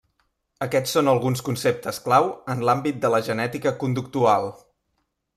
Aquests són alguns conceptes clau en l'àmbit de la genètica conductual.